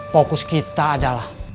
fokus kita adalah